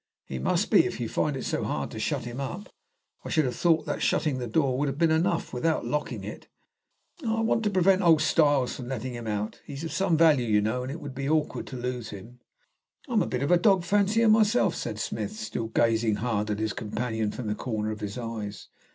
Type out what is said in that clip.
"He must be, if you find it so hard to shut him up. I should have thought that shutting the door would have been enough, without locking it." "I want to prevent old Styles from letting him out. He's of some value, you know, and it would be awkward to lose him." "I am a bit of a dog fancier myself," said Smith, still gazing hard at his companion from the corner of his eyes.